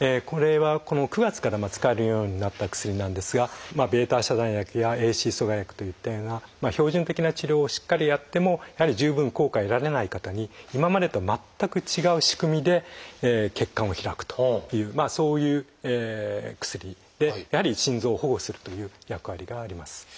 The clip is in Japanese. これはこの９月から使えるようになった薬なんですがβ遮断薬やＡＣＥ阻害薬といったような標準的な治療をしっかりやっても十分効果得られない方に今までと全く違う仕組みで血管を開くというそういう薬でやはり心臓を保護するという役割があります。